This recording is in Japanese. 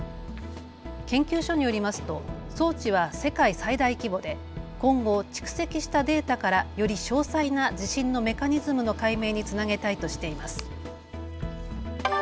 研究所によりますと装置は世界最大規模で今後、蓄積したデータから、より詳細な地震のメカニズムの解明につなげたいとしています。